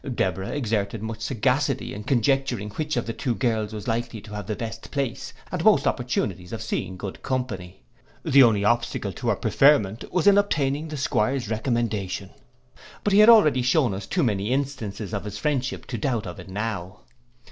Deborah exerted much sagacity in conjecturing which of the two girls was likely to have the best place, and most opportunities of seeing good company. The only obstacle to our preferment was in obtaining the 'Squire's recommendation; but he had already shewn us too many instances of his friendship to doubt of it now.